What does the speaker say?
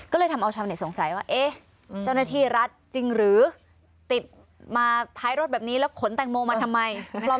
ก็เลยทำเอาชาวเน็ตสงสัยว่าเอ๊ะเจ้าหน้าที่รัฐจริงหรือติดมาท้ายรถแบบนี้แล้วขนแตงโมมาทำไม